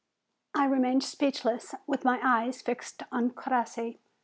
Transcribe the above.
I remained speechless, with my eyes fixed on Crossi.